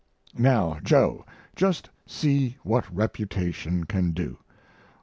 Now, Joe, just see what reputation can do.